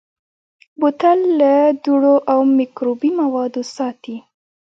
بوتل له دوړو او مکروبي موادو ساتي.